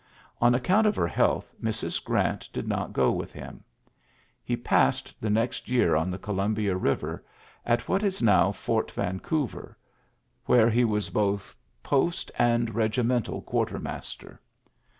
On ac count of her health, Mrs. Grant did not go with him. He passed the next year on the Columbia Biver, at what is now Port Vancouver, where he was both post AALitaiy v;oii 26 ULYSSES S. GEANT and regimental quartermaster.